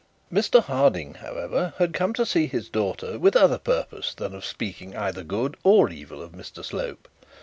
Mr Harding, however, had come to see his daughter with other purpose than that of speaking either good or evil of Mr Slope.